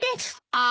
あ。